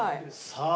さあ